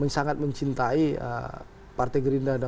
sangat mencintai partai gerindra dan